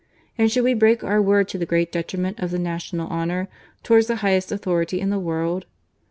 And should we break our word, to the great detri ment of the national honour, towards the highest authority in the world?